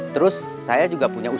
terus saya juga balik lagi ke sini